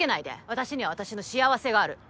私には私の幸せがある。